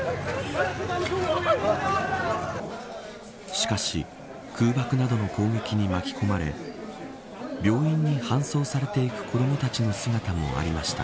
しかし空爆などの攻撃に巻き込まれ病院に搬送されていく子どもたちの姿もありました。